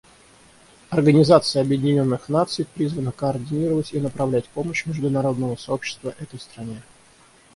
Организация Объединенных Наций призвана координировать и направлять помощь международного сообщества этой стране.